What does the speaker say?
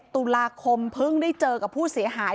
ตุลาคมเพิ่งได้เจอกับผู้เสียหาย